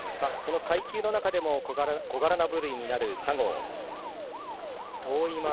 この階級の中でも小柄な部類になる佐合。